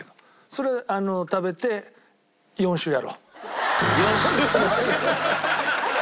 それ食べて４週やろう。